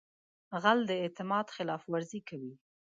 غل د اعتماد خلاف ورزي کوي